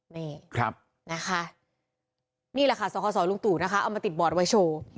นี่นะคะนี่แหละค่ะสคศลุงตู่นะคะเอามาติดบอร์ดไว้โชว์